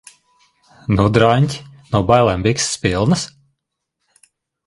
Nu, draņķi? No bailēm bikses pilnas?